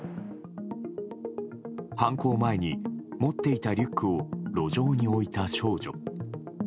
犯行前に持っていたリュックを路上に置いた少女。